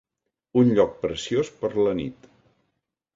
un lloc preciós per la nit.